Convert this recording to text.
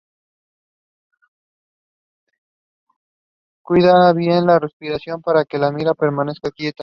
Cuida bien la respiración para que la mira permanezca quieta.